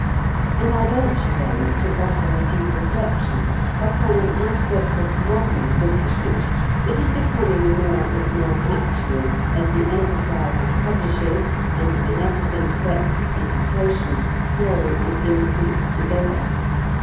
And I venture, then, to offer a few reflections upon an aspect of modern bookishness that is becoming more and more "actual" as the enterprise of publishers and the beneficent effects of education grow and increase together.